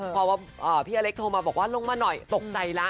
เพราะว่าพี่อเล็กโทรมาบอกว่าลงมาหน่อยตกใจแล้ว